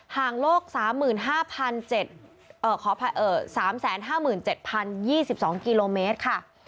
ห่างโลก๓๕๓๕๗๐๒๒กิโลเมตรค่ะ